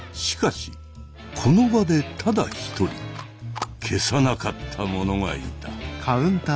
しかしこの場でただ一人消さなかった者がいた。